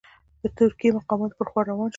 د ترکي مقاماتو پر خوا روان شو.